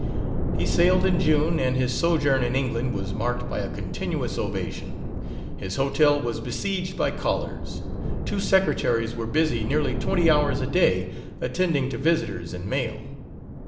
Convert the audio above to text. He sailed in June, and his sojourn in England was marked by a continuous ovation. His hotel was besieged by callers. Two secretaries were busy nearly twenty hours a day attending to visitors and mail.